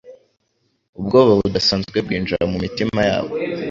ubwoba budasanzwe bwinjira mu mitima yabo,